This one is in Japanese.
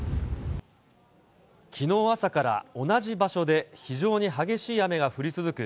きのう朝から同じ場所で非常に激しい雨が降り続く